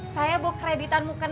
saya bawa kreditanmu kena